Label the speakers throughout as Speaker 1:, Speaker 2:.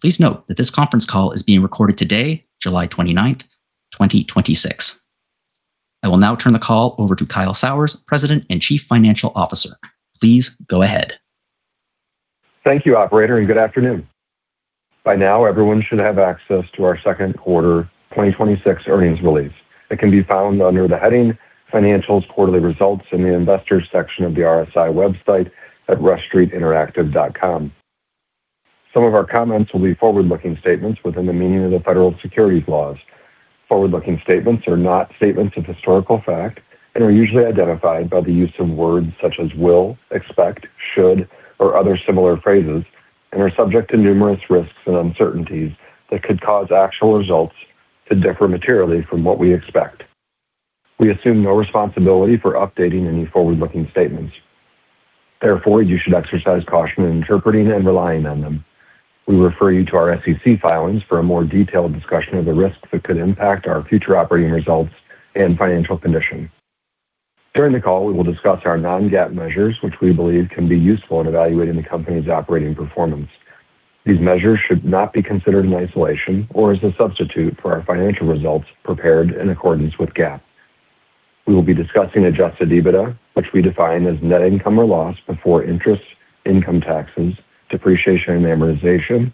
Speaker 1: Please note that this conference call is being recorded today, July 29th, 2026. I will now turn the call over to Kyle Sauers, President and Chief Financial Officer. Please go ahead.
Speaker 2: Thank you, operator. Good afternoon. By now, everyone should have access to our second quarter 2026 earnings release. It can be found under the heading Financials, Quarterly Results in the Investors section of the RSI website at rushstreetinteractive.com. Some of our comments will be forward-looking statements within the meaning of the federal securities laws. Forward-looking statements are not statements of historical fact and are usually identified by the use of words such as will, expect, should, or other similar phrases, and are subject to numerous risks and uncertainties that could cause actual results to differ materially from what we expect. We assume no responsibility for updating any forward-looking statements. You should exercise caution in interpreting and relying on them. We refer you to our SEC filings for a more detailed discussion of the risks that could impact our future operating results and financial condition. During the call, we will discuss our non-GAAP measures, which we believe can be useful in evaluating the company's operating performance. These measures should not be considered in isolation or as a substitute for our financial results prepared in accordance with GAAP. We will be discussing adjusted EBITDA, which we define as net income or loss before interest, income taxes, depreciation, amortization,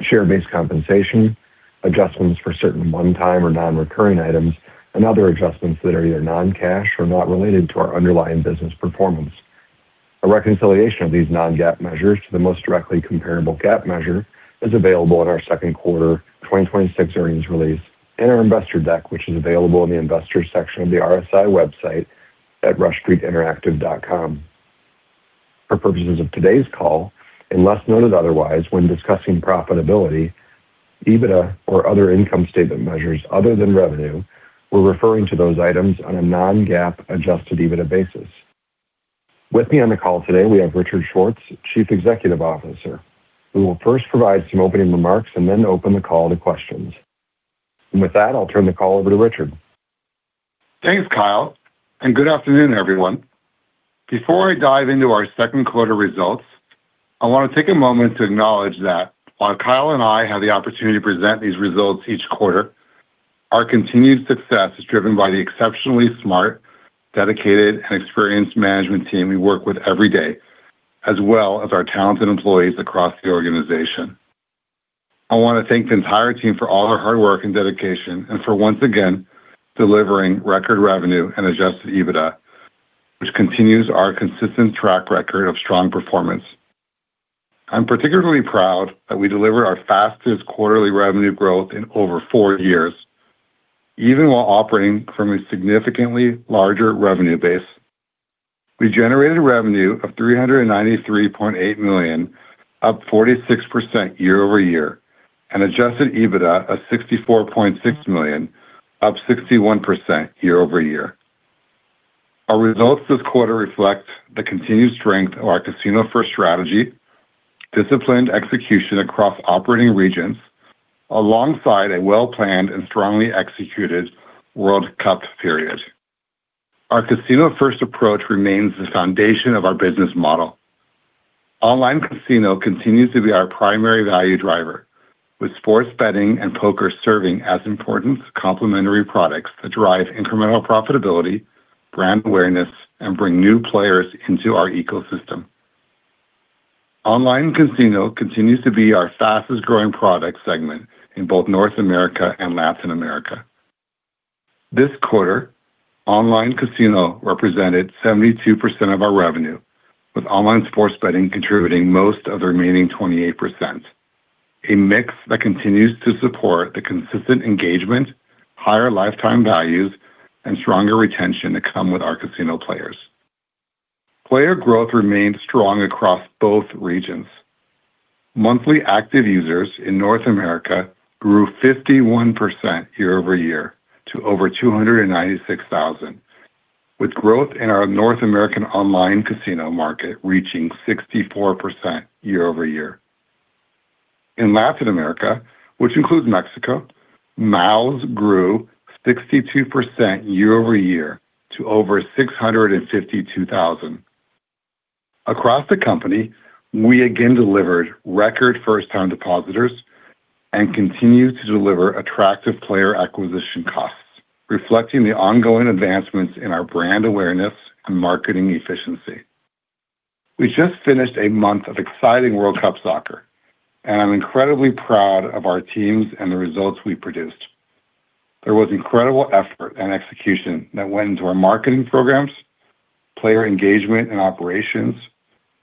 Speaker 2: share-based compensation, adjustments for certain one-time or non-recurring items, and other adjustments that are either non-cash or not related to our underlying business performance. A reconciliation of these non-GAAP measures to the most directly comparable GAAP measure is available in our second quarter 2026 earnings release and our investor deck, which is available in the Investors section of the RSI website at rushstreetinteractive.com. For purposes of today's call, unless noted otherwise, when discussing profitability, EBITDA or other income statement measures other than revenue, we're referring to those items on a non-GAAP adjusted EBITDA basis. With me on the call today, we have Richard Schwartz, Chief Executive Officer, who will first provide some opening remarks and then open the call to questions. With that, I'll turn the call over to Richard.
Speaker 3: Thanks, Kyle, and good afternoon, everyone. Before I dive into our second quarter results, I want to take a moment to acknowledge that while Kyle and I have the opportunity to present these results each quarter, our continued success is driven by the exceptionally smart, dedicated, and experienced management team we work with every day, as well as our talented employees across the organization. I want to thank the entire team for all their hard work and dedication and for once again delivering record revenue and adjusted EBITDA, which continues our consistent track record of strong performance. I'm particularly proud that we delivered our fastest quarterly revenue growth in over four years, even while operating from a significantly larger revenue base. We generated revenue of $393.8 million, up 46% year-over-year, and adjusted EBITDA of $64.6 million, up 61% year-over-year. Our results this quarter reflect the continued strength of our casino-first strategy, disciplined execution across operating regions, alongside a well-planned and strongly executed World Cup period. Our casino-first approach remains the foundation of our business model. Online Casino continues to be our primary value driver, with sports betting and poker serving as important complementary products that drive incremental profitability, brand awareness, and bring new players into our ecosystem. Online Casino continues to be our fastest-growing product segment in both North America and Latin America. This quarter, Online Casino represented 72% of our revenue, with online sports betting contributing most of the remaining 28%, a mix that continues to support the consistent engagement, higher lifetime values, and stronger retention that come with our casino players. Player growth remained strong across both regions. Monthly active users in North America grew 51% year-over-year to over 296,000, with growth in our North American Online Casino market reaching 64% year-over-year. In Latin America, which includes Mexico, MAUs grew 62% year-over-year to over 652,000. Across the company, we again delivered record first-time depositors and continue to deliver attractive player acquisition costs, reflecting the ongoing advancements in our brand awareness and marketing efficiency. We just finished a month of exciting World Cup soccer, and I'm incredibly proud of our teams and the results we produced. There was incredible effort and execution that went into our marketing programs, player engagement and operations,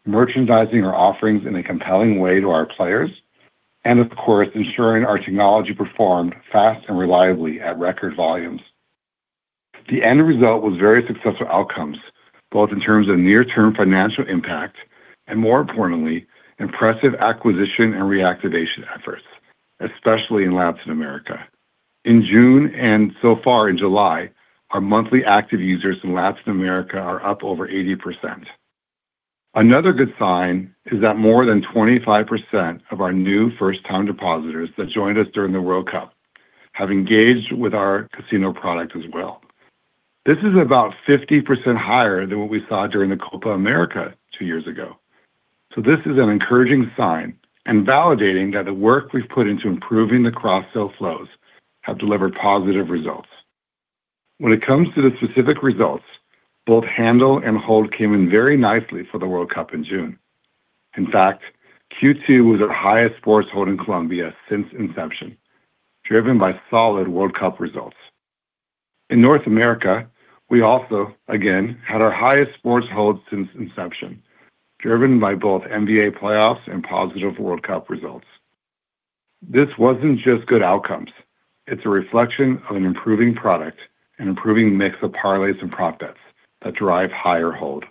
Speaker 3: merchandising our offerings in a compelling way to our players, and of course, ensuring our technology performed fast and reliably at record volumes. The end result was very successful outcomes, both in terms of near-term financial impact and, more importantly, impressive acquisition and reactivation efforts, especially in Latin America. In June and so far in July, our monthly active users in Latin America are up over 80%. Another good sign is that more than 25% of our new first-time depositors that joined us during the World Cup have engaged with our casino product as well. This is about 50% higher than what we saw during the Copa América two years ago. This is an encouraging sign and validating that the work we've put into improving the cross-sell flows have delivered positive results. When it comes to the specific results, both handle and hold came in very nicely for the World Cup in June. In fact, Q2 was our highest sports hold in Colombia since inception, driven by solid World Cup results. In North America, we also, again, had our highest sports hold since inception, driven by both NBA playoffs and positive World Cup results. This wasn't just good outcomes. It's a reflection of an improving product and improving mix of parlays and prop bets that drive higher hold.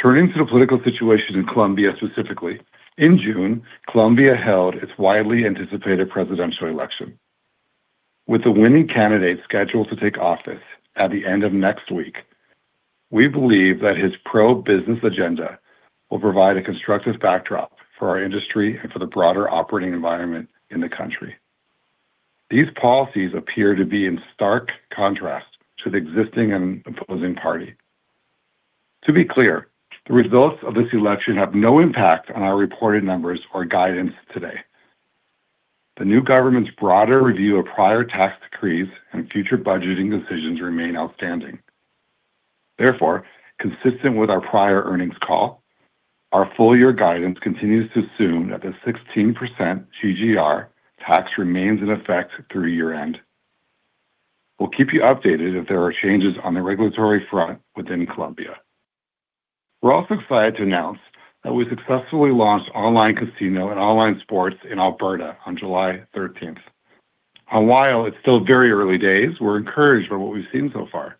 Speaker 3: Turning to the political situation in Colombia specifically, in June, Colombia held its widely anticipated presidential election. With the winning candidate scheduled to take office at the end of next week, we believe that his pro-business agenda will provide a constructive backdrop for our industry and for the broader operating environment in the country. These policies appear to be in stark contrast to the existing and opposing party. To be clear, the results of this election have no impact on our reported numbers or guidance today. The new government's broader review of prior tax decrees and future budgeting decisions remain outstanding. Consistent with our prior earnings call, our full-year guidance continues to assume that the 16% GGR tax remains in effect through year-end. We'll keep you updated if there are changes on the regulatory front within Colombia. We're also excited to announce that we successfully launched online casino and online sports in Alberta on July 13th. While it's still very early days, we're encouraged by what we've seen so far.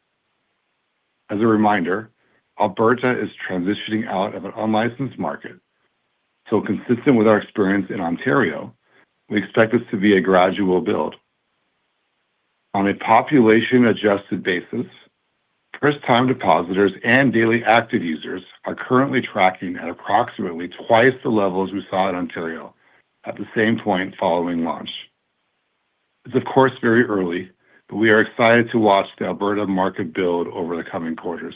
Speaker 3: As a reminder, Alberta is transitioning out of an unlicensed market. Consistent with our experience in Ontario, we expect this to be a gradual build. On a population-adjusted basis, first-time depositors and daily active users are currently tracking at approximately twice the levels we saw in Ontario at the same point following launch. It's of course, very early, but we are excited to watch the Alberta market build over the coming quarters.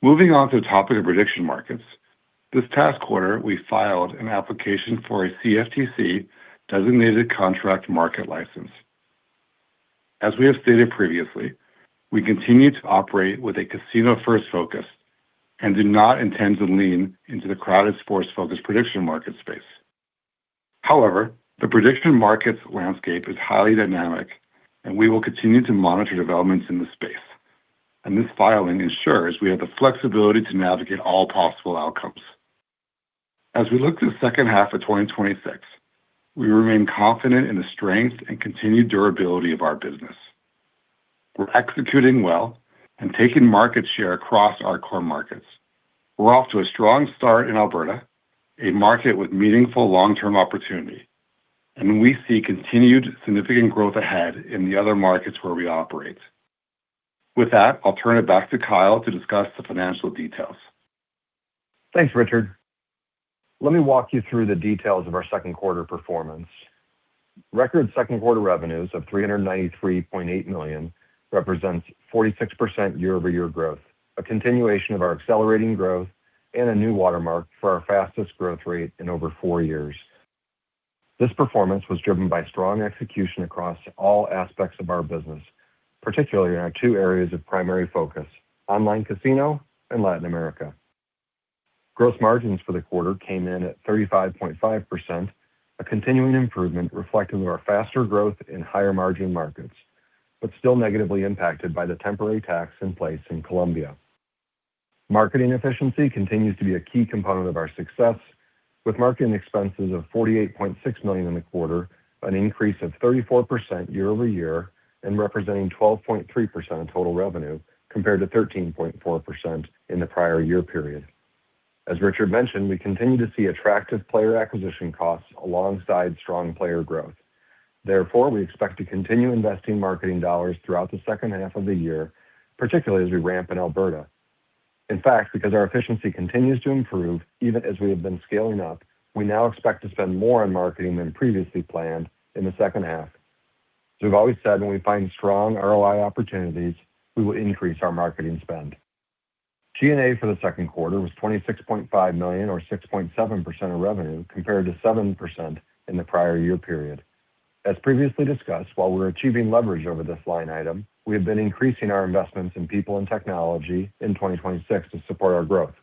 Speaker 3: Moving on to the topic of prediction markets, this past quarter, we filed an application for a CFTC Designated Contract Market license. As we have stated previously, we continue to operate with a casino-first focus and do not intend to lean into the crowded sports-focused prediction market space. However, the prediction markets landscape is highly dynamic, and we will continue to monitor developments in the space. This filing ensures we have the flexibility to navigate all possible outcomes. As we look to the second half of 2026, we remain confident in the strength and continued durability of our business. We're executing well and taking market share across our core markets. We're off to a strong start in Alberta, a market with meaningful long-term opportunity, and we see continued significant growth ahead in the other markets where we operate. With that, I'll turn it back to Kyle to discuss the financial details.
Speaker 2: Thanks, Richard. Let me walk you through the details of our second quarter performance. Record second quarter revenues of $393.8 million represents 46% year-over-year growth, a continuation of our accelerating growth and a new watermark for our fastest growth rate in over four years. This performance was driven by strong execution across all aspects of our business, particularly in our two areas of primary focus, Online Casino and Latin America. Gross margins for the quarter came in at 35.5%, a continuing improvement reflecting our faster growth in higher-margin markets, but still negatively impacted by the temporary tax in place in Colombia. Marketing efficiency continues to be a key component of our success with marketing expenses of $48.6 million in the quarter, an increase of 34% year-over-year, and representing 12.3% of total revenue, compared to 13.4% in the prior year period. As Richard mentioned, we continue to see attractive player acquisition costs alongside strong player growth. Therefore, we expect to continue investing marketing dollars throughout the second half of the year, particularly as we ramp in Alberta. In fact, because our efficiency continues to improve, even as we have been scaling up, we now expect to spend more on marketing than previously planned in the second half. As we've always said, when we find strong ROI opportunities, we will increase our marketing spend. G&A for the second quarter was $26.5 million or 6.7% of revenue, compared to 7% in the prior year period. As previously discussed, while we're achieving leverage over this line item, we have been increasing our investments in people and technology in 2026 to support our growth.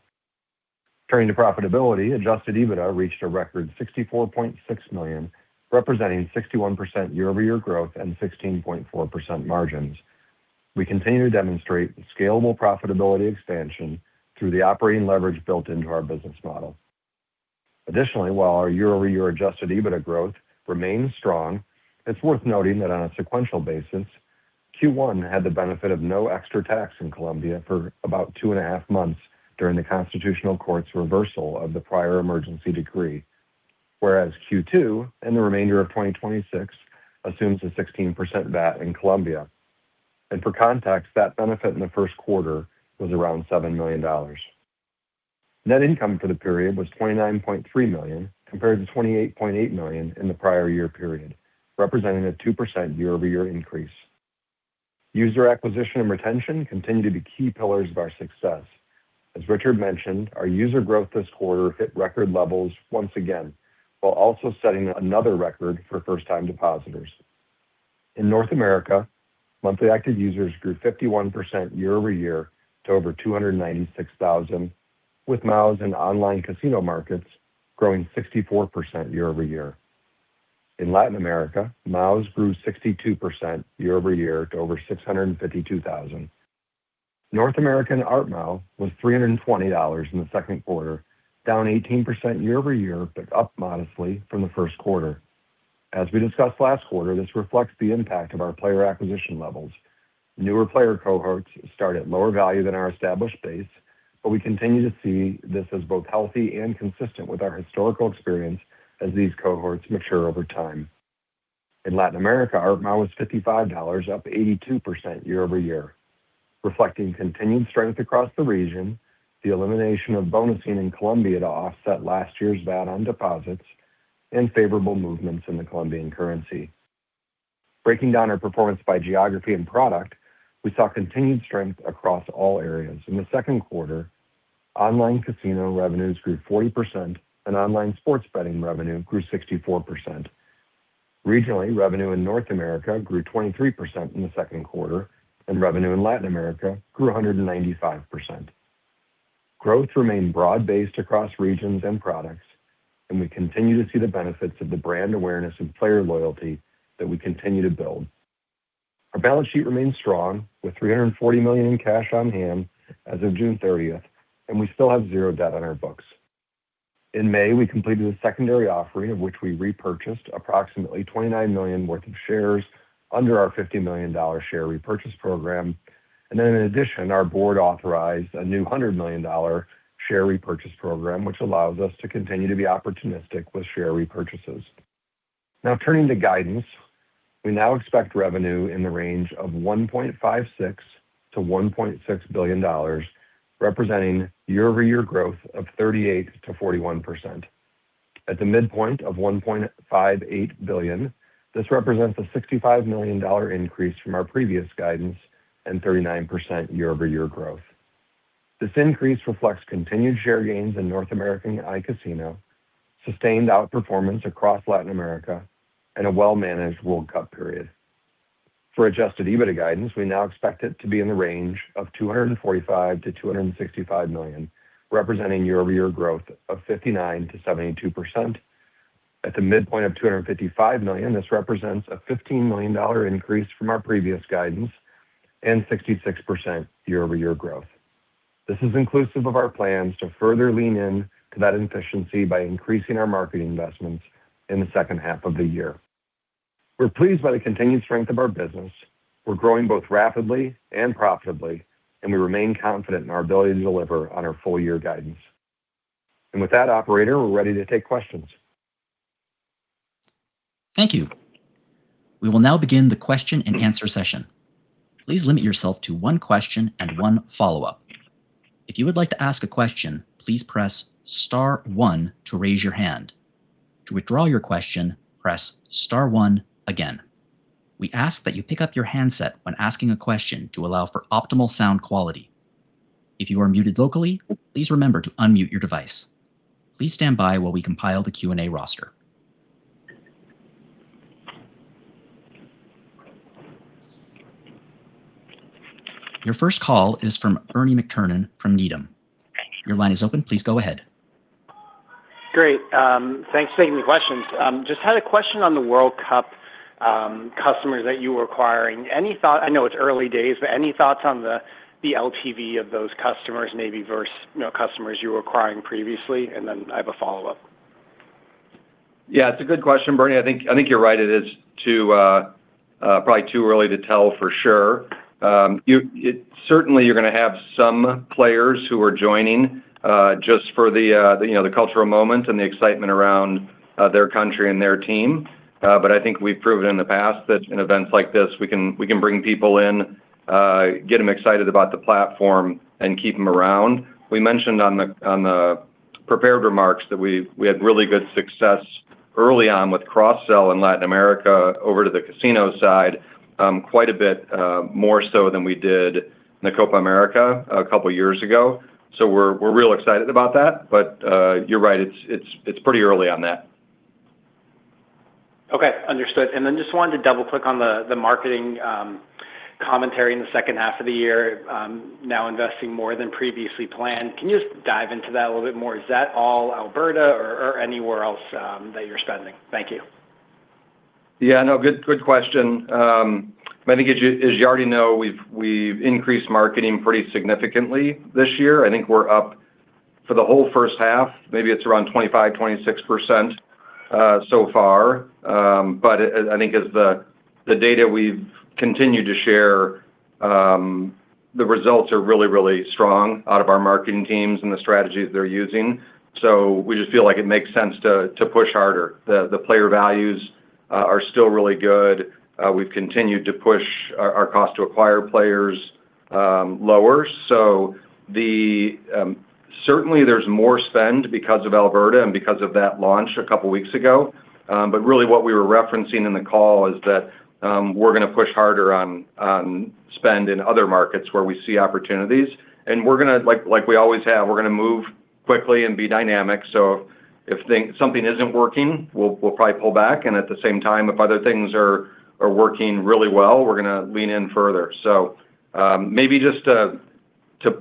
Speaker 2: Turning to profitability, adjusted EBITDA reached a record $64.6 million, representing 61% year-over-year growth and 16.4% margins. We continue to demonstrate scalable profitability expansion through the operating leverage built into our business model. Additionally, while our year-over-year adjusted EBITDA growth remains strong, it's worth noting that on a sequential basis, Q1 had the benefit of no extra tax in Colombia for about 2.5 months during the constitutional court's reversal of the prior emergency decree. Whereas Q2 and the remainder of 2026 assumes a 16% VAT in Colombia. For context, that benefit in the first quarter was around $7 million. Net income for the period was $29.3 million compared to $28.8 million in the prior year period, representing a 2% year-over-year increase. User acquisition and retention continue to be key pillars of our success. As Richard mentioned, our user growth this quarter hit record levels once again, while also setting another record for first-time depositors. In North America, monthly active users grew 51% year-over-year to over 296,000, with MAUs in Online Casino markets growing 64% year-over-year. In Latin America, MAUs grew 62% year-over-year to over 652,000. North American ARPMAU was $320 in the second quarter, down 18% year-over-year, but up modestly from the first quarter. As we discussed last quarter, this reflects the impact of our player acquisition levels. Newer player cohorts start at lower value than our established base, but we continue to see this as both healthy and consistent with our historical experience as these cohorts mature over time. In Latin America, ARPMAU was $55, up 82% year-over-year, reflecting continued strength across the region, the elimination of bonusing in Colombia to offset last year's bet on deposits, and favorable movements in the Colombian currency. Breaking down our performance by geography and product, we saw continued strength across all areas. In the second quarter, Online Casino revenues grew 40% and Online Sports Betting revenue grew 64%. Regionally, revenue in North America grew 23% in the second quarter, and revenue in Latin America grew 195%. Growth remained broad-based across regions and products, and we continue to see the benefits of the brand awareness and player loyalty that we continue to build. Our balance sheet remains strong, with $340 million in cash on hand as of June 30th, and we still have zero debt on our books. In May, we completed a secondary offering in which we repurchased approximately $29 million worth of shares under our $50 million share repurchase program. In addition, our Board authorized a new $100 million share repurchase program, which allows us to continue to be opportunistic with share repurchases. Turning to guidance, we now expect revenue in the range of $1.56 billion-$1.6 billion, representing year-over-year growth of 38%-41%. At the midpoint of $1.58 billion, this represents a $65 million increase from our previous guidance and 39% year-over-year growth. This increase reflects continued share gains in North American iCasino, sustained outperformance across Latin America, and a well-managed World Cup period. For adjusted EBITDA guidance, we now expect it to be in the range of $245 million-$265 million, representing year-over-year growth of 59%-72%. At the midpoint of $255 million, this represents a $15 million increase from our previous guidance and 66% year-over-year growth. This is inclusive of our plans to further lean in to that efficiency by increasing our marketing investments in the second half of the year. We're pleased by the continued strength of our business. We're growing both rapidly and profitably, and we remain confident in our ability to deliver on our full-year guidance. With that, operator, we're ready to take questions.
Speaker 1: Thank you. We will now begin the question and answer session. Please limit yourself to one question and one follow-up. If you would like to ask a question, please press star one to raise your hand. To withdraw your question, press star one again. We ask that you pick up your handset when asking a question to allow for optimal sound quality. If you are muted locally, please remember to unmute your device. Please stand by while we compile the Q&A roster. Your first call is from Bernie McTernan from Needham. Your line is open. Please go ahead.
Speaker 4: Great. Thanks for taking the questions. Just had a question on the World Cup customers that you were acquiring. I know it's early days, any thoughts on the LTV of those customers maybe versus customers you were acquiring previously? I have a follow-up.
Speaker 2: Yeah, it's a good question, Bernie. I think you're right. It is probably too early to tell for sure. Certainly, you're going to have some players who are joining just for the cultural moment and the excitement around their country and their team. I think we've proven in the past that in events like this, we can bring people in, get them excited about the platform, and keep them around. We mentioned on the prepared remarks that we had really good success early on with cross-sell in Latin America over to the casino side quite a bit more so than we did in the Copa América a couple of years ago. We're real excited about that. You're right. It's pretty early on that.
Speaker 4: Okay. Understood. Just wanted to double-click on the marketing commentary in the second half of the year, now investing more than previously planned. Can you just dive into that a little bit more? Is that all Alberta or anywhere else that you're spending? Thank you.
Speaker 2: Yeah, no, good question. I think as you already know, we've increased marketing pretty significantly this year. I think we're up for the whole first half, maybe it's around 25%-26% so far. I think as the data we've continued to share, the results are really, really strong out of our marketing teams and the strategies they're using. We just feel like it makes sense to push harder. The player values are still really good. We've continued to push our cost to acquire players lower. Certainly there's more spend because of Alberta and because of that launch a couple of weeks ago. Really what we were referencing in the call is that we're going to push harder on spend in other markets where we see opportunities, and we're going to, like we always have, we're going to move quickly and be dynamic. If something isn't working, we'll probably pull back, and at the same time, if other things are working really well, we're going to lean in further. Maybe just to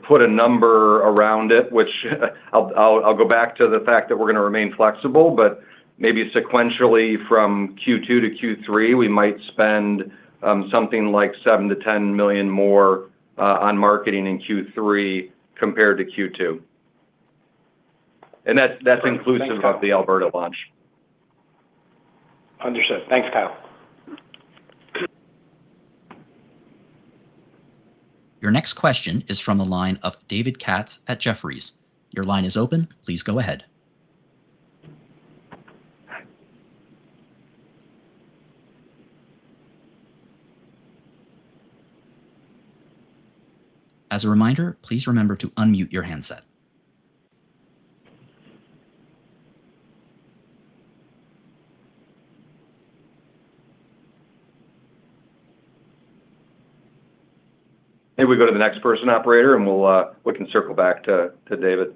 Speaker 2: put a number around it, which I'll go back to the fact that we're going to remain flexible, but maybe sequentially from Q2-Q3, we might spend something like $7 million-$10 million more on marketing in Q3 compared to Q2. That's inclusive of the Alberta launch.
Speaker 4: Understood. Thanks, Kyle.
Speaker 1: Your next question is from the line of David Katz at Jefferies. Your line is open. Please go ahead. As a reminder, please remember to unmute your handset.
Speaker 2: Maybe we go to the next person, operator, and we can circle back to David.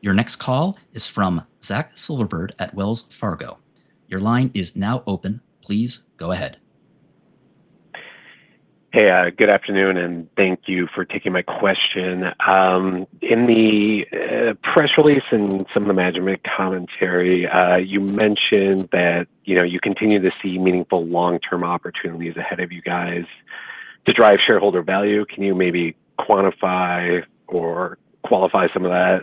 Speaker 1: Your next call is from Zach Silverberg at Wells Fargo. Your line is now open. Please go ahead.
Speaker 5: Hey, good afternoon, and thank you for taking my question. In the press release and some of the management commentary, you mentioned that you continue to see meaningful long-term opportunities ahead of you guys to drive shareholder value. Can you maybe quantify or qualify some of that,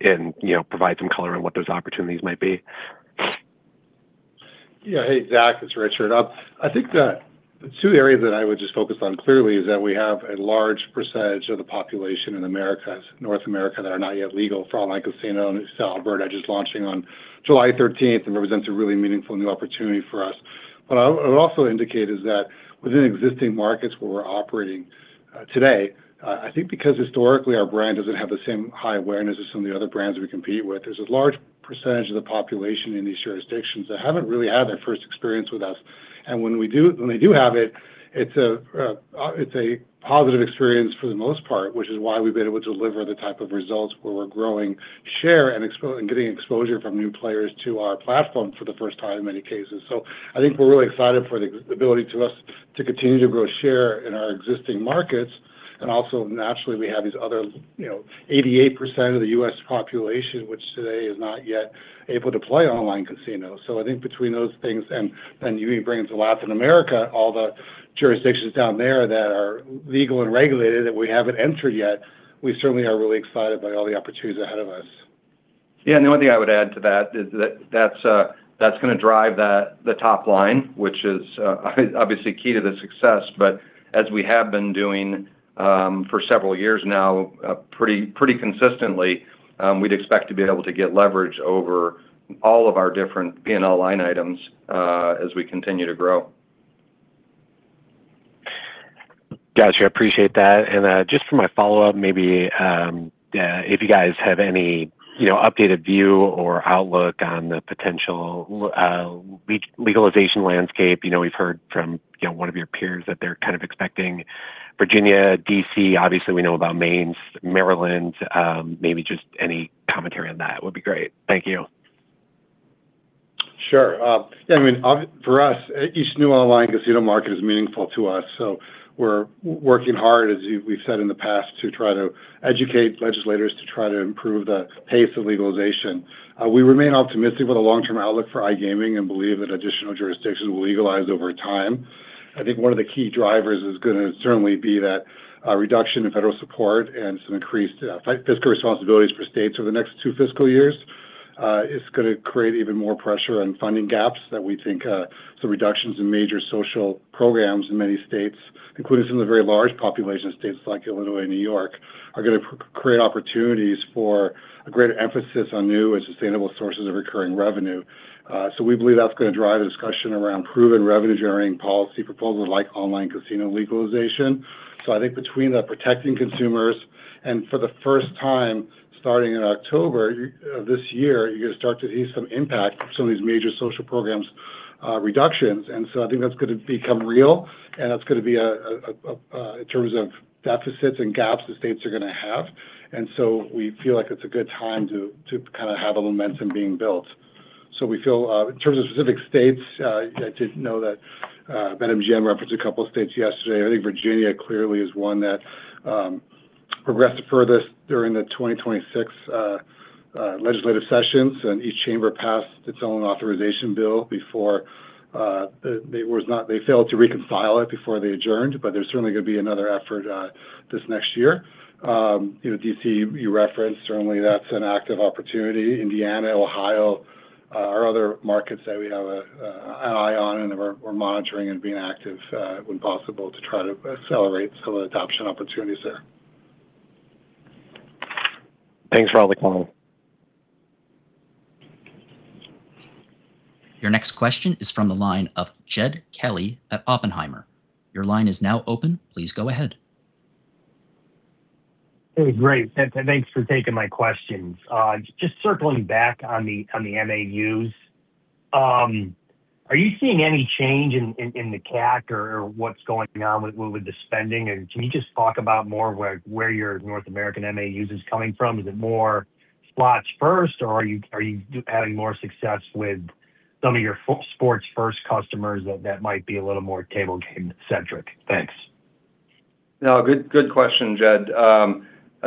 Speaker 5: and provide some color on what those opportunities might be?
Speaker 3: Yeah. Hey, Zach, it's Richard. I think that the two areas that I would just focus on clearly is that we have a large percentage of the population in North America that are not yet legal for Online Casino. Alberta just launching on July 13th, represents a really meaningful new opportunity for us. What I would also indicate is that within existing markets where we're operating today, I think because historically our brand doesn't have the same high awareness as some of the other brands we compete with, there's a large percentage of the population in these jurisdictions that haven't really had their first experience with us. When they do have it's a positive experience for the most part, which is why we've been able to deliver the type of results where we're growing share and getting exposure from new players to our platform for the first time in many cases. I think we're really excited for the ability to us to continue to grow share in our existing markets, and also naturally we have these other 88% of the U.S. population, which today is not yet able to play Online Casino. I think between those things, and you even bring into Latin America all the jurisdictions down there that are legal and regulated that we haven't entered yet, we certainly are really excited by all the opportunities ahead of us.
Speaker 2: Yeah, the only thing I would add to that is that's going to drive the top line, which is obviously key to the success. As we have been doing for several years now pretty consistently, we'd expect to be able to get leverage over all of our different P&L line items as we continue to grow.
Speaker 5: Got you. I appreciate that. Just for my follow-up, maybe if you guys have any updated view or outlook on the potential legalization landscape. We've heard from one of your peers that they're kind of expecting Virginia, D.C., obviously we know about Maine, Maryland. Maybe just any commentary on that would be great. Thank you.
Speaker 3: Sure. For us, each new Online Casino market is meaningful to us. We're working hard, as we've said in the past, to try to educate legislators to try to improve the pace of legalization. We remain optimistic about the long-term outlook for iGaming and believe that additional jurisdictions will legalize over time. I think one of the key drivers is going to certainly be that reduction in federal support and some increased fiscal responsibilities for states over the next two fiscal years, is going to create even more pressure on funding gaps that we think some reductions in major social programs in many states, including some of the very large population states like Illinois and New York, are going to create opportunities for a greater emphasis on new and sustainable sources of recurring revenue. We believe that's going to drive a discussion around proven revenue-generating policy proposals like Online Casino legalization. I think between the protecting consumers, and for the first time starting in October of this year, you're going to start to see some impact from some of these major social programs reductions. I think that's going to become real, and that's going to be in terms of deficits and gaps the states are going to have. We feel like it's a good time to kind of have a momentum being built. We feel, in terms of specific states, I did know that BetMGM referenced a couple of states yesterday. I think Virginia clearly is one that progressed furthest during the 2026 legislative sessions, and each chamber passed its own authorization bill. They failed to reconcile it before they adjourned, but there's certainly going to be another effort this next year. D.C. you referenced, certainly that's an active opportunity. Indiana, Ohio, are other markets that we have an eye on and we're monitoring and being active when possible to try to accelerate some of the adoption opportunities there.
Speaker 5: Thanks for all the color.
Speaker 1: Your next question is from the line of Jed Kelly at Oppenheimer. Your line is now open. Please go ahead.
Speaker 6: Hey, great. Thanks for taking my questions. Just circling back on the MAUs. Are you seeing any change in the CAC or what's going on with the spending? Can you just talk about more where your North American MAU is coming from? Is it more slots first, or are you having more success with some of your sports first customers that might be a little more table game-centric? Thanks.
Speaker 2: No, good question, Jed. I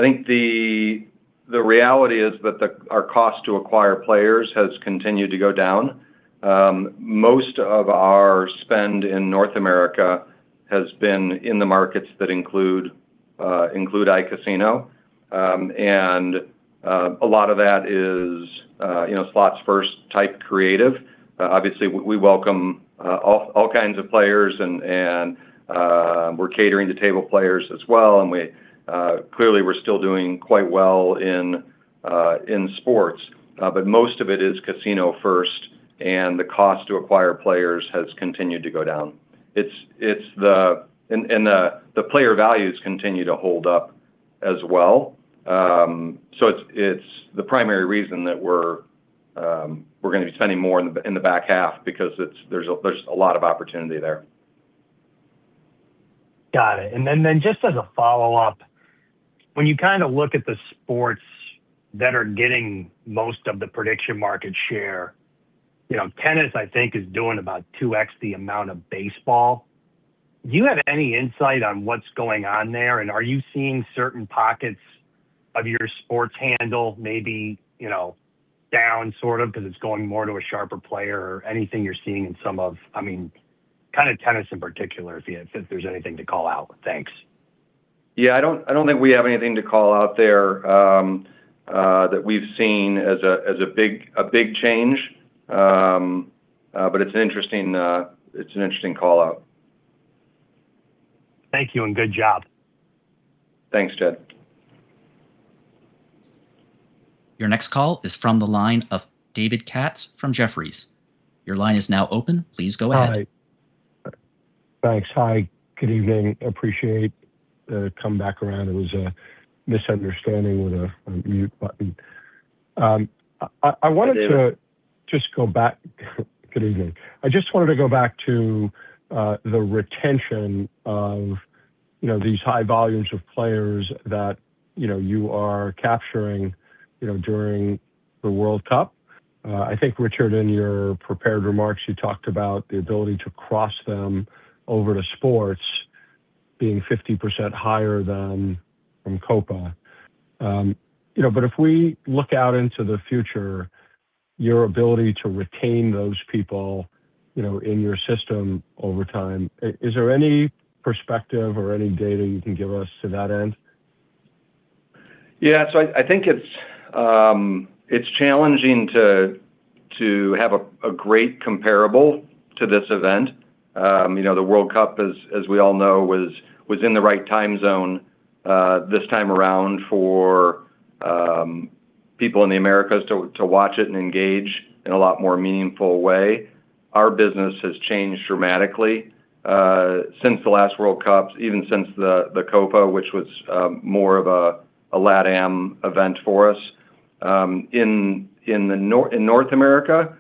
Speaker 2: think the reality is that our cost to acquire players has continued to go down. Most of our spend in North America has been in the markets that include iCasino. A lot of that is slots first type creative. Obviously, we welcome all kinds of players and we're catering to table players as well, and clearly we're still doing quite well in sports. Most of it is casino first, the cost to acquire players has continued to go down. The player values continue to hold up as well. It's the primary reason that we're going to be spending more in the back half because there's a lot of opportunity there.
Speaker 6: Got it. Just as a follow-up, when you look at the sports that are getting most of the prediction market share, tennis, I think is doing about 2x the amount of baseball. Do you have any insight on what's going on there? Are you seeing certain pockets of your sports handle, maybe, down sort of because it's going more to a sharper player or anything you're seeing in some of tennis in particular, if there's anything to call out. Thanks.
Speaker 2: Yeah, I don't think we have anything to call out there that we've seen as a big change. It's an interesting call-out.
Speaker 6: Thank you and good job.
Speaker 2: Thanks, Jed.
Speaker 1: Your next call is from the line of David Katz from Jefferies. Your line is now open. Please go ahead.
Speaker 7: Hi. Thanks. Hi. Good evening. Appreciate the come back around. It was a misunderstanding with a mute button.
Speaker 2: David.
Speaker 7: Good evening. I just wanted to go back to the retention of these high volumes of players that you are capturing during the World Cup. I think, Richard, in your prepared remarks, you talked about the ability to cross them over to sports being 50% higher than from Copa América. If we look out into the future, your ability to retain those people in your system over time, is there any perspective or any data you can give us to that end?
Speaker 3: Yeah. I think it's challenging to have a great comparable to this event. The World Cup, as we all know, was in the right time zone this time around for people in the Americas to watch it and engage in a lot more meaningful way. Our business has changed dramatically since the last World Cup, even since the Copa América, which was more of a LATAM event for us. In North America,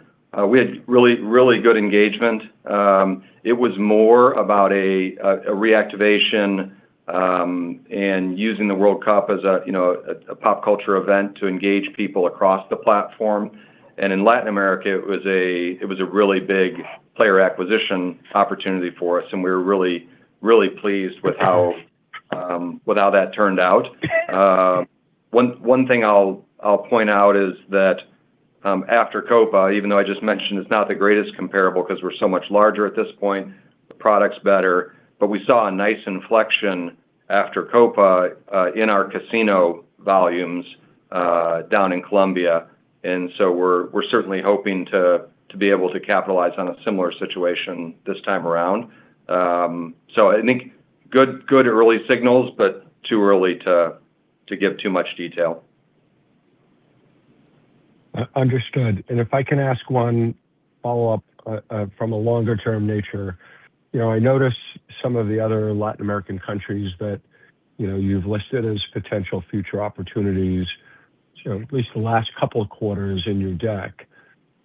Speaker 3: we had really good engagement. It was more about a reactivation and using the World Cup as a pop culture event to engage people across the platform. In Latin America, it was a really big player acquisition opportunity for us, and we were really pleased with how that turned out. One thing I'll point out is that after Copa América, even though I just mentioned it's not the greatest comparable because we're so much larger at this point, the product's better, but we saw a nice inflection after Copa América in our casino volumes down in Colombia. We're certainly hoping to be able to capitalize on a similar situation this time around. I think good early signals, but too early to give too much detail.
Speaker 7: Understood. If I can ask one follow-up from a longer-term nature. I notice some of the other Latin American countries that you've listed as potential future opportunities, at least the last couple of quarters in your deck.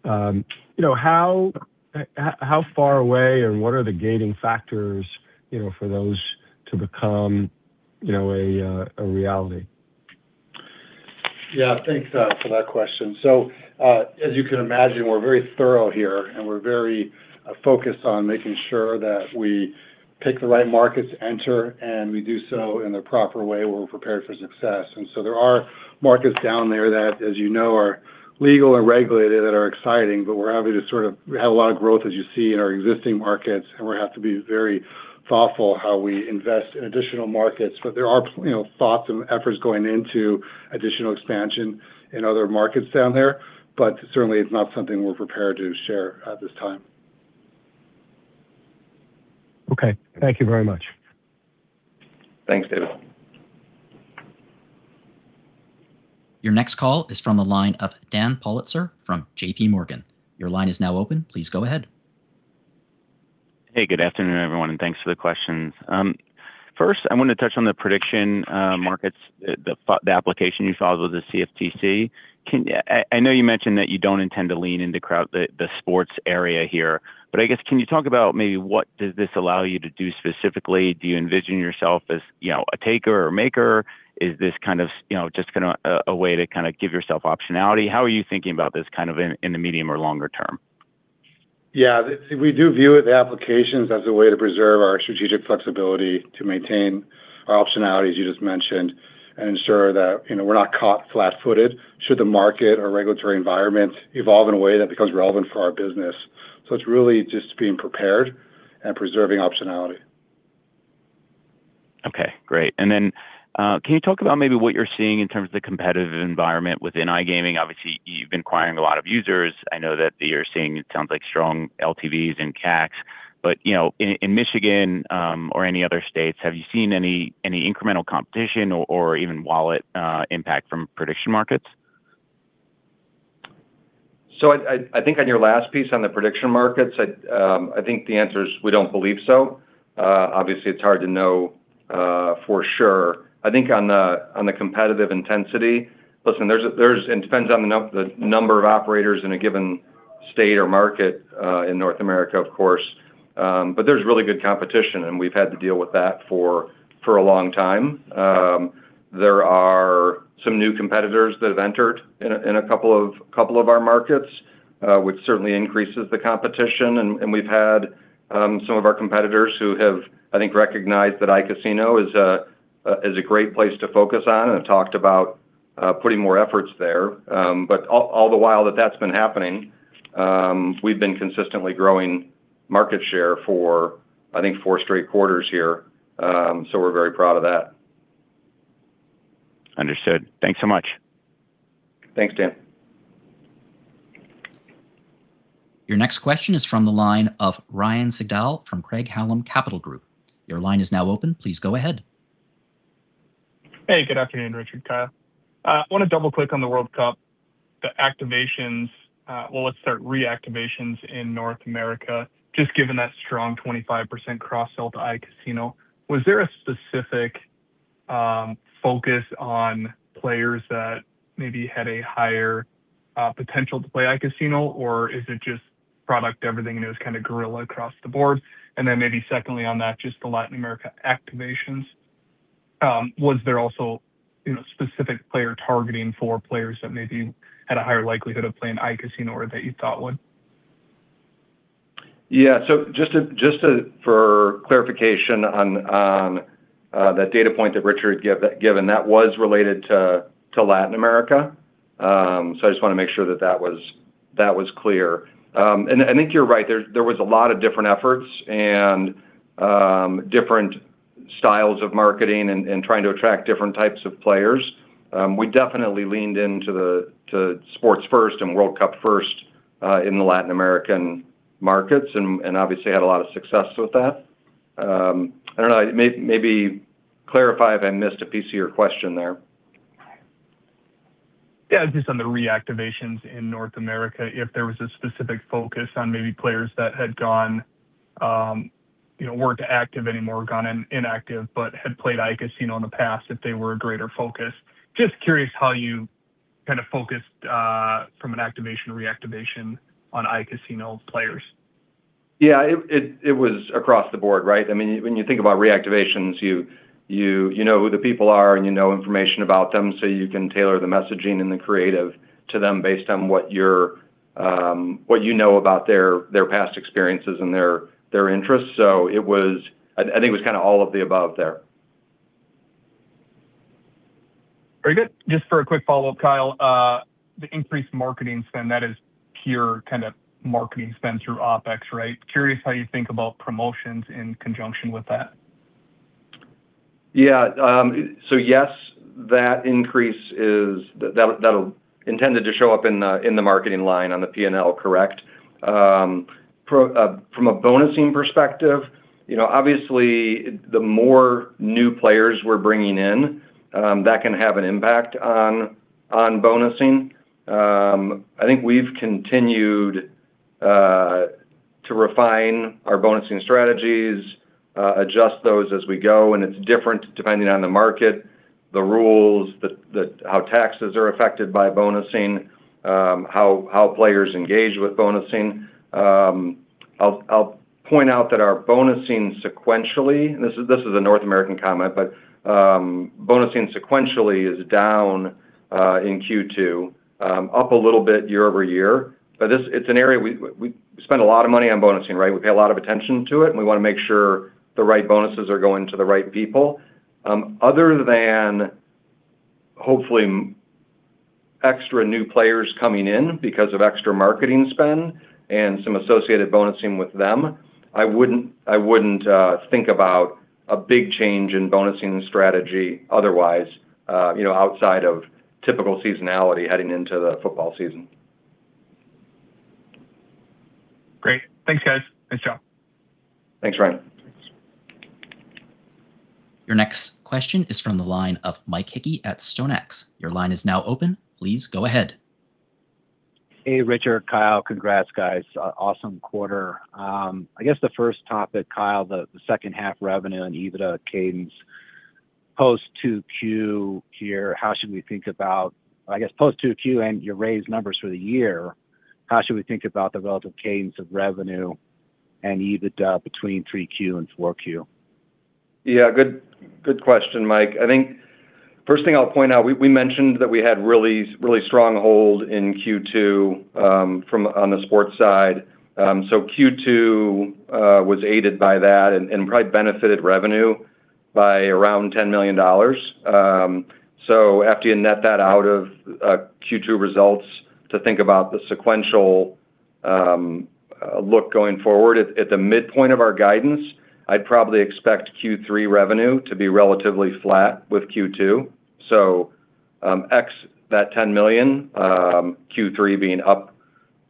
Speaker 7: How far away or what are the gating factors for those to become a reality?
Speaker 3: Yeah. Thanks for that question. As you can imagine, we're very thorough here and we're very focused on making sure that we pick the right markets to enter, and we do so in the proper way where we're prepared for success. There are markets down there that, as you know, are legal and regulated that are exciting, but we have a lot of growth, as you see in our existing markets, and we have to be very thoughtful how we invest in additional markets. There are thoughts and efforts going into additional expansion in other markets down there. Certainly it's not something we're prepared to share at this time.
Speaker 7: Okay. Thank you very much.
Speaker 3: Thanks, David.
Speaker 1: Your next call is from the line of Dan Politzer from JPMorgan. Your line is now open. Please go ahead.
Speaker 8: Hey, good afternoon, everyone, Thanks for the questions. First, I wanted to touch on the prediction markets, the application you filed with the CFTC. I know you mentioned that you don't intend to lean into the sports area here, I guess, can you talk about maybe what does this allow you to do specifically? Do you envision yourself as a taker or maker? Is this just a way to give yourself optionality? How are you thinking about this in the medium or longer term?
Speaker 3: Yeah. We do view the applications as a way to preserve our strategic flexibility, to maintain our optionality, as you just mentioned, ensure that we're not caught flat-footed should the market or regulatory environment evolve in a way that becomes relevant for our business. It's really just being prepared and preserving optionality.
Speaker 8: Okay, great. Can you talk about maybe what you're seeing in terms of the competitive environment within iGaming? Obviously, you've been acquiring a lot of users. I know that you're seeing, it sounds like, strong LTVs and CACs. In Michigan or any other states, have you seen any incremental competition or even wallet impact from prediction markets?
Speaker 2: I think on your last piece on the prediction markets, I think the answer is we don't believe so. Obviously, it's hard to know for sure. I think on the competitive intensity, listen, it depends on the number of operators in a given state or market in North America, of course, but there's really good competition, and we've had to deal with that for a long time. There are some new competitors that have entered in a couple of our markets, which certainly increases the competition, and we've had some of our competitors who have, I think, recognized that iCasino is a great place to focus on and have talked about putting more efforts there. All the while that that's been happening, we've been consistently growing market share for, I think, four straight quarters here. We're very proud of that.
Speaker 8: Understood. Thanks so much.
Speaker 2: Thanks, Dan.
Speaker 1: Your next question is from the line of Ryan Sigdahl from Craig-Hallum Capital Group. Your line is now open. Please go ahead.
Speaker 9: Hey, good afternoon, Richard, Kyle. I want to double-click on the World Cup, the activations. Well, let's start reactivations in North America, just given that strong 25% cross-sell to iCasino. Was there a specific focus on players that maybe had a higher potential to play iCasino, or is it just product everything and it was kind of gorilla across the board? Then maybe secondly on that, just the Latin America activations. Was there also specific player targeting for players that maybe had a higher likelihood of playing iCasino or that you thought would?
Speaker 2: Yeah. Just for clarification on that data point that Richard had given, that was related to Latin America. I just want to make sure that was clear. I think you're right. There was a lot of different efforts and different styles of marketing and trying to attract different types of players. We definitely leaned into sports first and World Cup first in the Latin American markets, and obviously had a lot of success with that. I don't know, maybe clarify if I missed a piece of your question there.
Speaker 9: Yeah, just on the reactivations in North America, if there was a specific focus on maybe players that weren't active anymore, gone inactive, but had played iCasino in the past, if they were a greater focus. Just curious how you kind of focused from an activation, reactivation on iCasino players?
Speaker 2: Yeah, it was across the board, right? When you think about reactivations, you know who the people are and you know information about them, you can tailor the messaging and the creative to them based on what you know about their past experiences and their interests. I think it was kind of all of the above there.
Speaker 9: Very good. Just for a quick follow-up, Kyle, the increased marketing spend, that is pure kind of marketing spend through OpEx, right? Curious how you think about promotions in conjunction with that.
Speaker 2: Yeah. Yes, that increase is intended to show up in the marketing line on the P&L, correct. From a bonusing perspective, obviously the more new players we're bringing in, that can have an impact on bonusing. I think we've continued to refine our bonusing strategies, adjust those as we go, and it's different depending on the market, the rules, how taxes are affected by bonusing, how players engage with bonusing. I'll point out that our bonusing sequentially, this is a North American comment, but bonusing sequentially is down in Q2. Up a little bit year-over-year, but it's an area. We spend a lot of money on bonusing, right? We pay a lot of attention to it, and we want to make sure the right bonuses are going to the right people. Other than hopefully extra new players coming in because of extra marketing spend and some associated bonusing with them, I wouldn't think about a big change in bonusing strategy otherwise, outside of typical seasonality heading into the football season.
Speaker 9: Great. Thanks, guys. Nice job.
Speaker 2: Thanks, Ryan.
Speaker 1: Your next question is from the line of Mike Hickey at StoneX. Your line is now open. Please go ahead.
Speaker 10: Hey, Richard, Kyle. Congrats, guys. Awesome quarter. I guess the first topic, Kyle, the second half revenue and EBITDA cadence post 2Q here. I guess post 2Q and your raised numbers for the year, how should we think about the relative cadence of revenue and EBITDA between 3Q and 4Q?
Speaker 2: Yeah, good question, Mike. I think first thing I'll point out, we mentioned that we had really strong hold in Q2 on the sports side. Q2 was aided by that and probably benefited revenue by around $10 million. After you net that out of Q2 results, to think about the sequential look going forward, at the midpoint of our guidance, I'd probably expect Q3 revenue to be relatively flat with Q2. Ex that $10 million, Q3 being up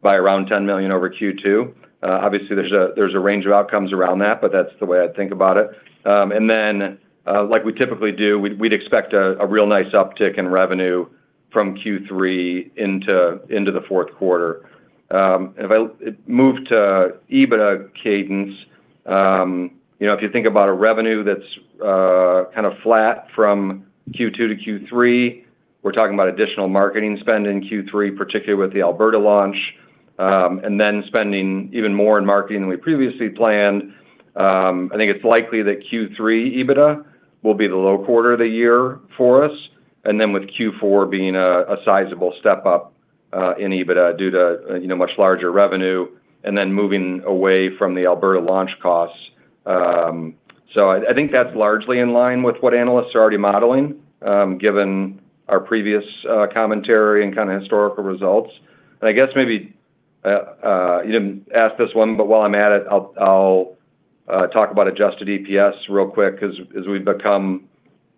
Speaker 2: by around $10 million over Q2. Obviously, there's a range of outcomes around that, but that's the way I'd think about it. Like we typically do, we'd expect a real nice uptick in revenue from Q3 into the fourth quarter. If I move to EBITDA cadence, if you think about a revenue that's kind of flat from Q2-Q3, we're talking about additional marketing spend in Q3, particularly with the Alberta launch. Spending even more in marketing than we previously planned. I think it's likely that Q3 EBITDA will be the low quarter of the year for us, with Q4 being a sizable step-up in EBITDA due to much larger revenue, moving away from the Alberta launch costs. I think that's largely in line with what analysts are already modeling, given our previous commentary and kind of historical results. I guess maybe, you didn't ask this one, but while I'm at it, I'll talk about adjusted EPS real quick. As we've become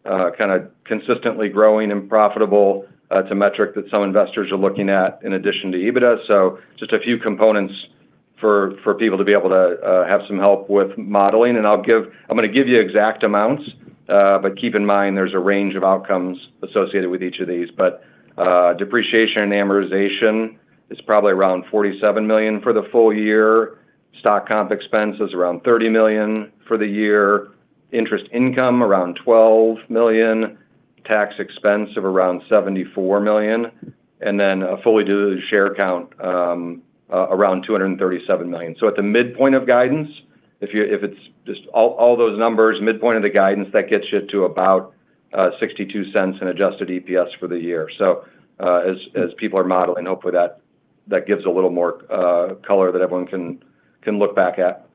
Speaker 2: kind of consistently growing and profitable, it's a metric that some investors are looking at in addition to EBITDA. Just a few components for people to be able to have some help with modeling. I'm going to give you exact amounts, but keep in mind there's a range of outcomes associated with each of these. Depreciation and amortization is probably around $47 million for the full year. Stock comp expense is around $30 million for the year. Interest income around $12 million. Tax expense of around $74 million. A fully diluted share count, around $237 million. At the midpoint of guidance, all those numbers, midpoint of the guidance, that gets you to about $0.62 in adjusted EPS for the year. As people are modeling, hopefully that gives a little more color that everyone can look back at.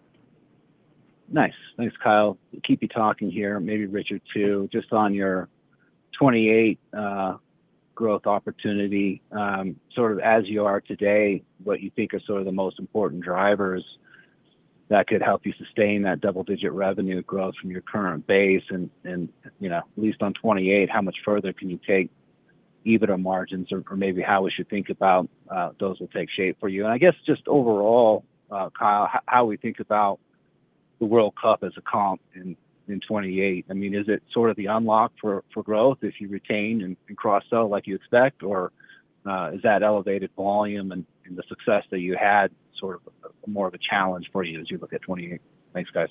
Speaker 10: Nice. Thanks, Kyle. Keep you talking here, maybe Richard too, just on your 2028 growth opportunity. Sort of as you are today, what you think are sort of the most important drivers that could help you sustain that double-digit revenue growth from your current base, at least on 2028, how much further can you take EBITDA margins or maybe how we should think about those will take shape for you? I guess just overall, Kyle, how we think about the World Cup as a comp in 2028. Is it sort of the unlock for growth if you retain and cross-sell like you expect, or is that elevated volume and the success that you had sort of more of a challenge for you as you look at 2028? Thanks, guys.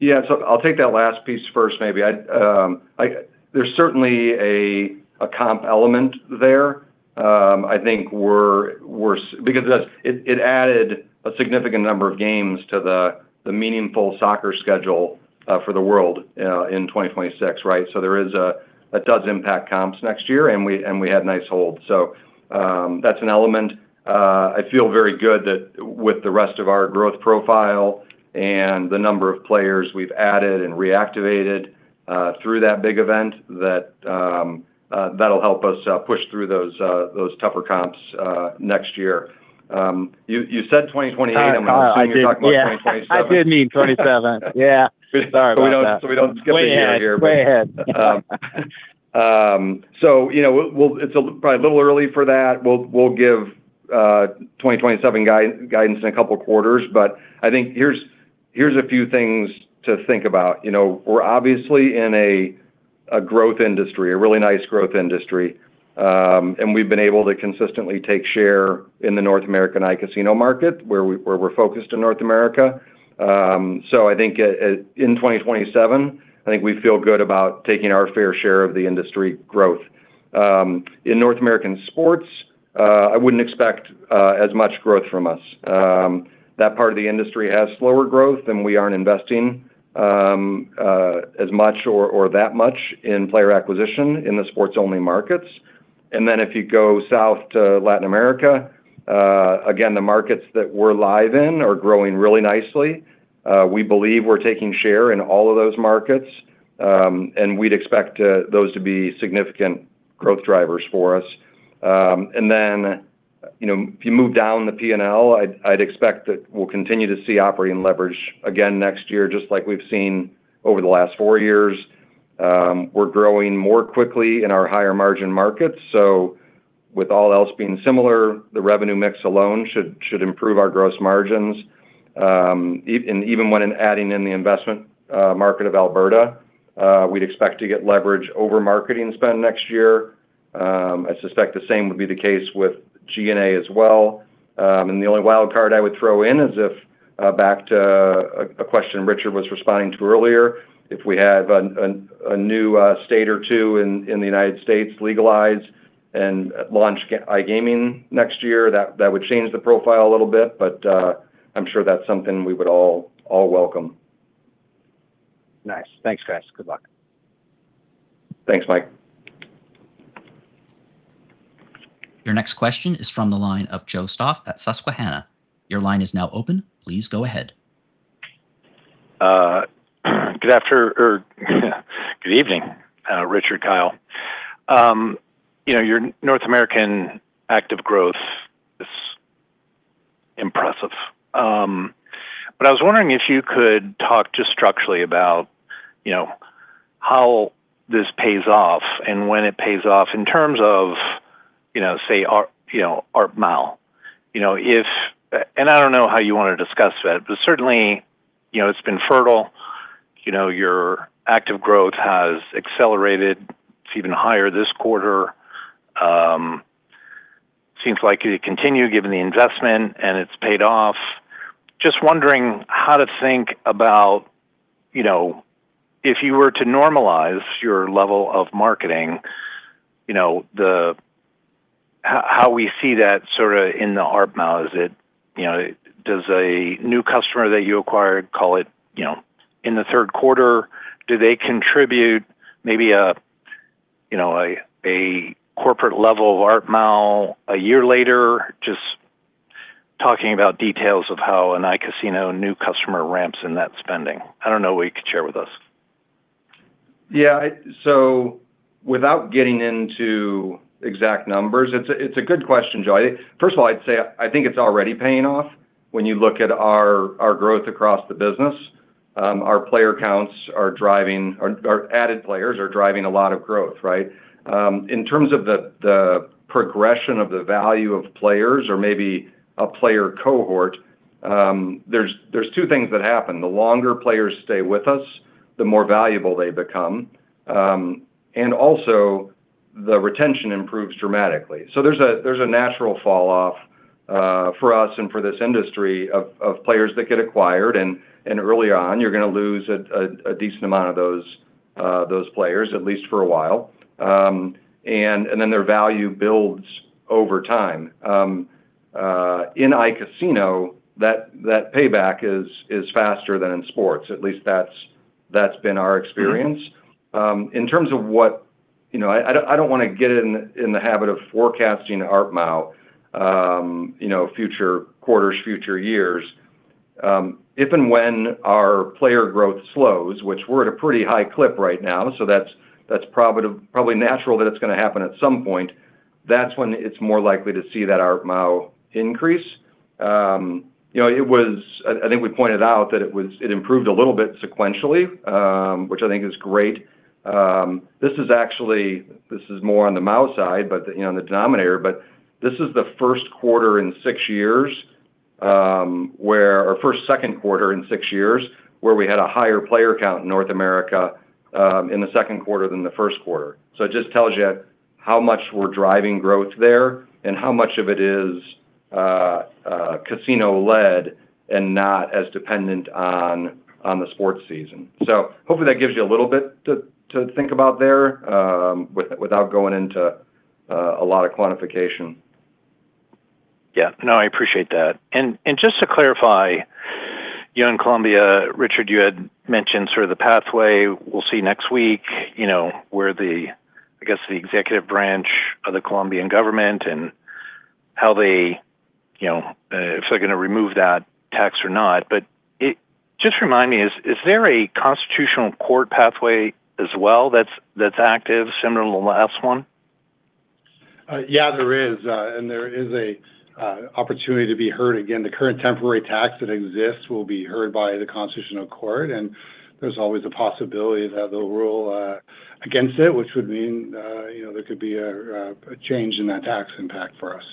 Speaker 2: Yeah. I'll take that last piece first, maybe. There's certainly a comp element there. It added a significant number of games to the meaningful soccer schedule for the world in 2026, right? That does impact comps next year, and we had nice hold. That's an element. I feel very good that with the rest of our growth profile and the number of players we've added and reactivated through that big event, that'll help us push through those tougher comps next year. You said 2028-
Speaker 10: Kyle-
Speaker 2: I'm assuming you're talking about 2027.
Speaker 10: I did mean 2027, yeah. Sorry about that.
Speaker 2: We don't skip a year here.
Speaker 10: Way ahead.
Speaker 2: It's probably a little early for that. We'll give 2027 guidance in a couple of quarters. I think here's a few things to think about. We're obviously in a growth industry, a really nice growth industry. We've been able to consistently take share in the North American iCasino market, where we're focused in North America. I think in 2027, I think we feel good about taking our fair share of the industry growth. In North American sports, I wouldn't expect as much growth from us. That part of the industry has slower growth, and we aren't investing as much or that much in player acquisition in the sports-only markets. If you go South to Latin America, again, the markets that we're live in are growing really nicely. We believe we're taking share in all of those markets, and we'd expect those to be significant growth drivers for us. If you move down the P&L, I'd expect that we'll continue to see operating leverage again next year, just like we've seen over the last four years. We're growing more quickly in our higher-margin markets. With all else being similar, the revenue mix alone should improve our gross margins. Even when adding in the investment market of Alberta, we'd expect to get leverage over marketing spend next year. I suspect the same would be the case with G&A as well. The only wild card I would throw in is if, back to a question Richard was responding to earlier, if we have a new state or two in the U.S. legalize and launch iGaming next year, that would change the profile a little bit. I'm sure that's something we would all welcome.
Speaker 10: Nice. Thanks, guys. Good luck.
Speaker 2: Thanks, Mike.
Speaker 1: Your next question is from the line of Joe Stauff at Susquehanna. Your line is now open. Please go ahead.
Speaker 11: Good evening, Richard, Kyle. Your North American active growth is impressive. I was wondering if you could talk just structurally about how this pays off and when it pays off in terms of, say, ARPMAU. I don't know how you want to discuss that, but certainly, it's been fertile. Your active growth has accelerated. It's even higher this quarter. Seems like it could continue given the investment, and it's paid off. Just wondering how to think about if you were to normalize your level of marketing, how we see that sort of in the ARPMAU. Does a new customer that you acquired, call it, in the third quarter, do they contribute maybe a corporate level of ARPMAU a year later? Just talking about details of how an iCasino new customer ramps in that spending. I don't know what you could share with us.
Speaker 2: Yeah. Without getting into exact numbers, it's a good question, Joe. First of all, I'd say I think it's already paying off when you look at our growth across the business. Our added players are driving a lot of growth, right? In terms of the progression of the value of players or maybe a player cohort, there's two things that happen. The longer players stay with us, the more valuable they become. Also, the retention improves dramatically. There's a natural fall-off for us and for this industry of players that get acquired, and early on, you're going to lose a decent amount of those players, at least for a while. Then their value builds over time. In iCasino, that payback is faster than in sports. At least that's been our experience. I don't want to get in the habit of forecasting ARPMAU future quarters, future years. If and when our player growth slows, which we're at a pretty high clip right now, that's probably natural that it's going to happen at some point. That's when it's more likely to see that ARPMAU increase. I think we pointed out that it improved a little bit sequentially, which I think is great. This is more on the MAU side, the denominator, but this is the first quarter in six years, or first second quarter in six years, where we had a higher player count in North America in the second quarter than the first quarter. It just tells you how much we're driving growth there and how much of it is casino-led and not as dependent on the sports season. Hopefully that gives you a little bit to think about there without going into a lot of quantification.
Speaker 11: Yeah. No, I appreciate that. Just to clarify, in Colombia, Richard, you had mentioned sort of the pathway we'll see next week, where I guess the executive branch of the Colombian government and if they're going to remove that tax or not. Just remind me, is there a constitutional court pathway as well that's active, similar to the last one?
Speaker 3: Yeah, there is. There is an opportunity to be heard again. The current temporary tax that exists will be heard by the constitutional court, and there's always a possibility they'll rule against it, which would mean there could be a change in that tax impact for us.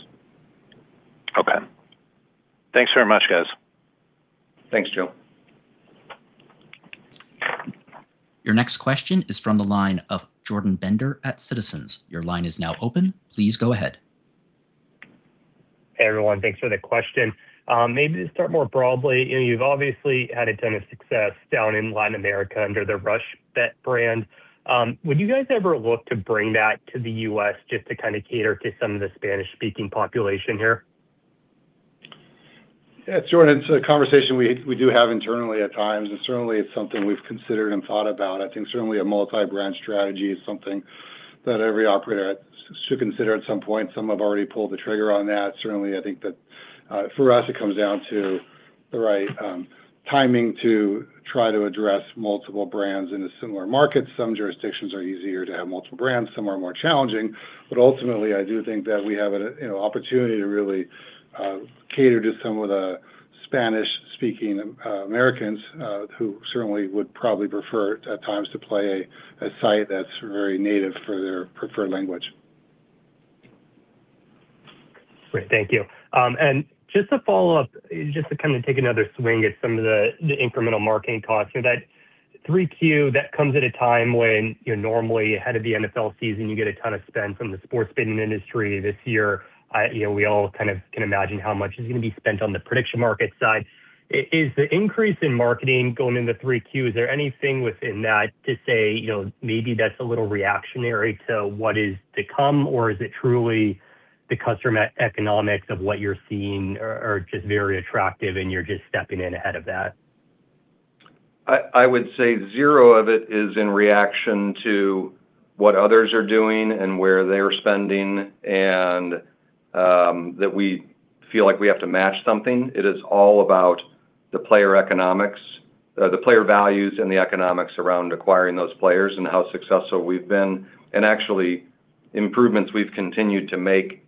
Speaker 11: Okay. Thanks very much, guys.
Speaker 3: Thanks, Joe.
Speaker 1: Your next question is from the line of Jordan Bender at Citizens. Your line is now open. Please go ahead.
Speaker 12: Hey, everyone. Thanks for the question. Maybe to start more broadly, you've obviously had a ton of success down in Latin America under the RushBet brand. Would you guys ever look to bring that to the U.S. just to kind of cater to some of the Spanish-speaking population here?
Speaker 3: Jordan, it's a conversation we do have internally at times, and certainly it's something we've considered and thought about. I think certainly a multi-brand strategy is something that every operator should consider at some point. Some have already pulled the trigger on that. Certainly, I think that for us, it comes down to the right timing to try to address multiple brands in a similar market. Some jurisdictions are easier to have multiple brands, some are more challenging. Ultimately, I do think that we have an opportunity to really cater to some of the Spanish-speaking Americans who certainly would probably prefer, at times, to play a site that's very native for their preferred language.
Speaker 12: Great. Thank you. Just to follow up, just to take another swing at some of the incremental marketing costs. That 3Q, that comes at a time when you're normally ahead of the NFL season, you get a ton of spend from the sports betting industry. This year, we all can imagine how much is going to be spent on the prediction market side. Is the increase in marketing going into 3Q, is there anything within that to say, maybe that's a little reactionary to what is to come? Or is it truly the customer economics of what you're seeing are just very attractive and you're just stepping in ahead of that?
Speaker 2: I would say zero of it is in reaction to what others are doing and where they're spending, and that we feel like we have to match something. It is all about the player economics, the player values, and the economics around acquiring those players and how successful we've been. Actually, improvements we've continued to make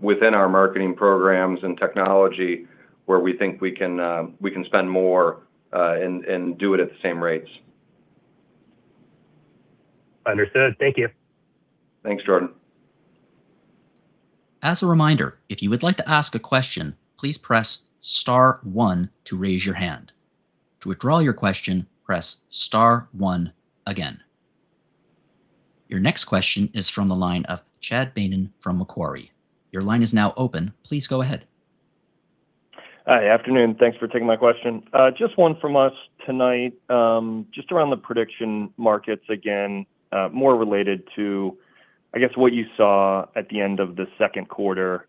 Speaker 2: within our marketing programs and technology where we think we can spend more and do it at the same rates.
Speaker 12: Understood. Thank you.
Speaker 2: Thanks, Jordan.
Speaker 1: As a reminder, if you would like to ask a question, please press star one to raise your hand. To withdraw your question, press star one again. Your next question is from the line of Chad Beynon from Macquarie. Your line is now open. Please go ahead.
Speaker 13: Hi. Afternoon. Thanks for taking my question. Just one from us tonight, just around the prediction markets again, more related to, I guess, what you saw at the end of the second quarter,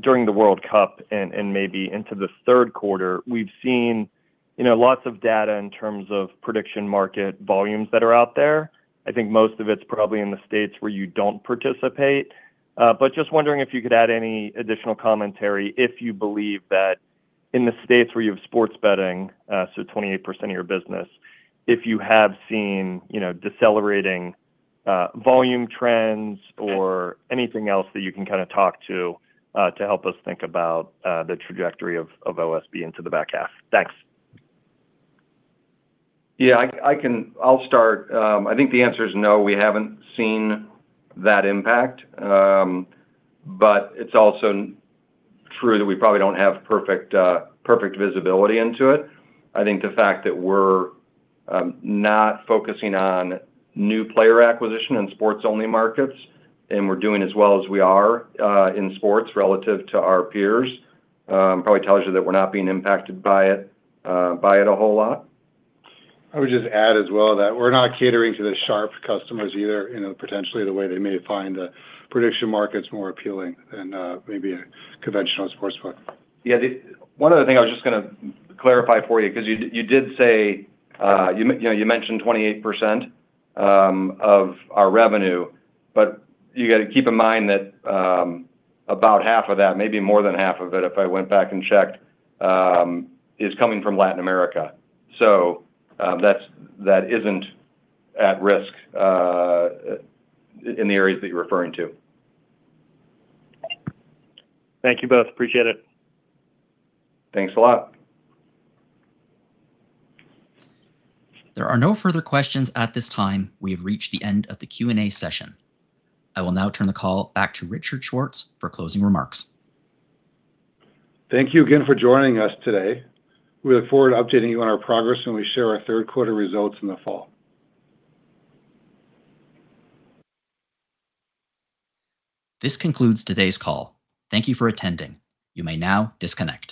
Speaker 13: during the World Cup and maybe into the third quarter. We've seen lots of data in terms of prediction market volumes that are out there. I think most of it's probably in the States where you don't participate. Just wondering if you could add any additional commentary, if you believe that in the states where you have sports betting, so 28% of your business, if you have seen decelerating volume trends or anything else that you can talk to help us think about the trajectory of OSB into the back half. Thanks.
Speaker 2: Yeah, I'll start. I think the answer is no, we haven't seen that impact. It's also true that we probably don't have perfect visibility into it. I think the fact that we're not focusing on new player acquisition in sports-only markets, and we're doing as well as we are in sports relative to our peers, probably tells you that we're not being impacted by it a whole lot.
Speaker 3: I would just add as well that we're not catering to the sharp customers either, potentially the way they may find prediction markets more appealing than maybe a conventional sportsbook.
Speaker 2: Yeah. One other thing I was just going to clarify for you, because you did mention 28% of our revenue. You got to keep in mind that about half of that, maybe more than half of it if I went back and checked, is coming from Latin America. That isn't at risk in the areas that you're referring to.
Speaker 13: Thank you both. Appreciate it.
Speaker 2: Thanks a lot.
Speaker 1: There are no further questions at this time. We have reached the end of the Q&A session. I will now turn the call back to Richard Schwartz for closing remarks.
Speaker 3: Thank you again for joining us today. We look forward to updating you on our progress when we share our third quarter results in the fall.
Speaker 1: This concludes today's call. Thank you for attending. You may now disconnect.